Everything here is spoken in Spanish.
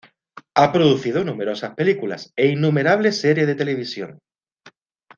Ha producido numerosas películas, e innumerables series de televisión.